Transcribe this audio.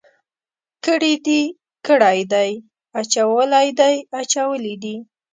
کړي دي، کړی دی، اچولی دی، اچولي دي.